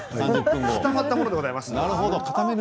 固まったものでございます。